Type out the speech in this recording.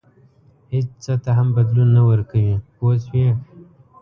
هېڅ څه ته هم بدلون نه ورکوي پوه شوې!.